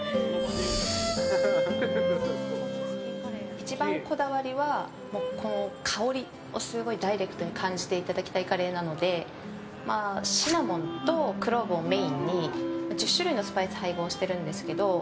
一番こだわりは香りをすごいダイレクトに感じていただきたいカレーなのでシナモンとクローブをメインに１０種類のスパイスを配合してるんですけど。